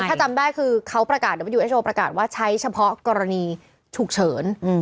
ถ้าจำได้คือเขาประกาศประกาศว่าใช้เฉพาะกรณีฉุกเฉินอืม